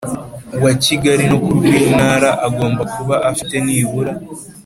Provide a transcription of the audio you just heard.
Wa kigali no kurw intara agomba kuba afite nibura